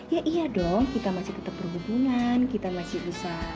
ya iya dong kita masih tetap berhubungan kita masih bisa